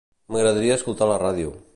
M'agradaria escoltar la ràdio.